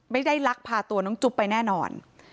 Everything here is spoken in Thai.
ไม่ได้รักพาตัวน้องจุ๊บไปแน่นอน